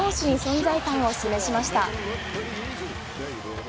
攻守に存在感を示しました。